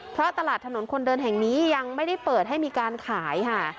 เพราะตลาดถนนคนเดินแห่งนี้ยังไม่ได้เปิดให้มีการขายค่ะ